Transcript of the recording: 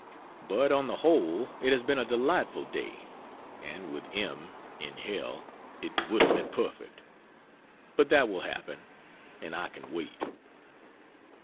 But on the whole it has been a delightful day, and with M in hell it would have been perfect. But that will happen, and I can wait.